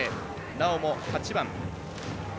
なおも８番。